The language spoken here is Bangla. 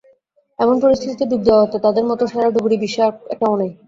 এমন পরিস্থিতিতে ডুব দেয়াতে তাদের মতো সেরা ডুবুরি বিশ্বে আর একটাও নেই।